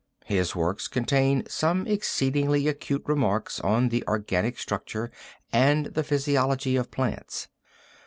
His works contain some exceedingly acute remarks on the organic structure and physiology of plants.